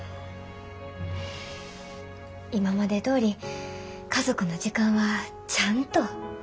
今までどおり家族の時間はちゃんと大事にします。